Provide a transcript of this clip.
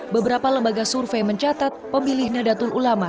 beberapa lembaga survei mencatat pemilih nadatul ulama